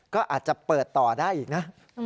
ก็อาจจะเปิดต่อได้อีกนะ